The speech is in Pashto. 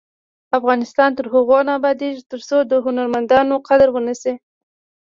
افغانستان تر هغو نه ابادیږي، ترڅو د هنرمندانو قدر ونشي.